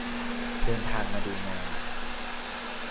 เดินทางมาดูงาน